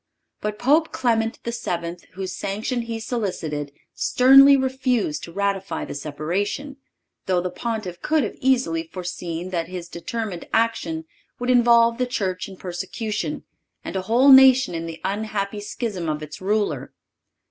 But Pope Clement VII., whose sanction he solicited, sternly refused to ratify the separation, though the Pontiff could have easily forseen that his determined action would involve the Church in persecution, and a whole nation in the unhappy schism of its ruler.